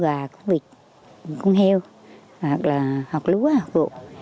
bà có việc cuốn heo hoặc là học lúa học vụ